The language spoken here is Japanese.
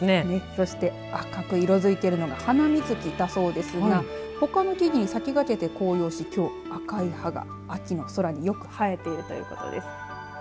そして赤く色づいているのがハナミズキだそうですがほかの木に先駆けて、紅葉しきょう赤い葉が秋の空によく映えているということです。